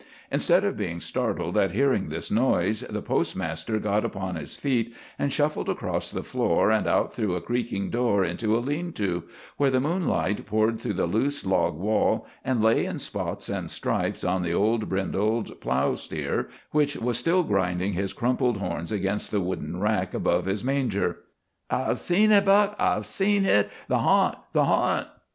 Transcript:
Instead of being startled at hearing this noise, the postmaster got upon his feet, and shuffled across the floor and out through a creaking door into a lean to, where the moonlight poured through the loose log wall and lay in spots and stripes on the old brindle plow steer, which was still grinding his crumpled horns against the wooden rack above his manger. "I've seen hit, Buck! I've seen hit. The harnt! the harnt!"